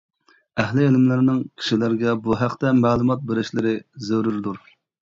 ئەھلى ئىلىملەرنىڭ كىشىلەرگە بۇ ھەقتە مەلۇمات بېرىشلىرى زۆرۈردۇر.